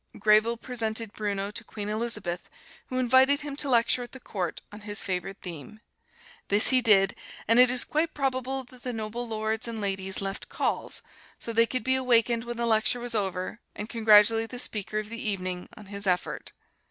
Greville presented Bruno to Queen Elizabeth, who invited him to lecture at the Court on his favorite theme. This he did, and it is quite probable that the noble lords and ladies left "calls" so they could be awakened when the lecture was over and congratulate the speaker of the evening on his effort.